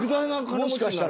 もしかしたら。